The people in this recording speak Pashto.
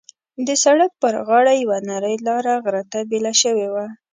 د سړک پر غاړه یوه نرۍ لاره غره ته بېله شوې وه.